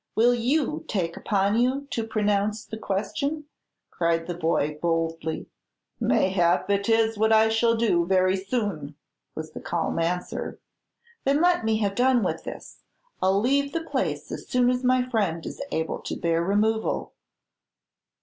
Will you take upon you to pronounce upon the question?" cried the boy, boldly. "Mayhap it is what I shall do very soon!" was the calm answer. "Then let me have done with this. I'll leave the place as soon as my friend be able to bear removal."